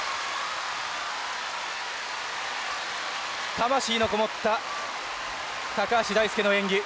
魂の籠もった橋大輔の演技。